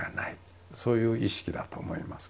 そういう意識だと思いますけどね。